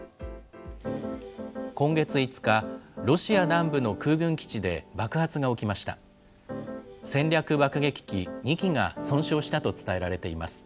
今月５日、ロシア南部の空軍基地で爆発が起きました。